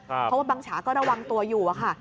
เพราะว่าบังฉาก็ระวังตัวอยู่อะค่ะ